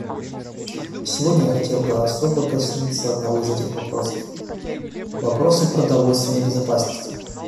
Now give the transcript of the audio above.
Сегодня я хотел бы особо коснуться одного из этих вопросов, — вопроса продовольственной безопасности.